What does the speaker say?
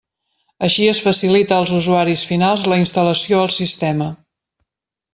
Així es facilita als usuaris finals la instal·lació al sistema.